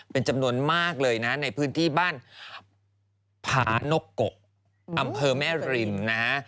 เป็นจำนวนมากเลยนะในพื้นที่บ้านผานกโกอำเภอแม่ริมนะฮะ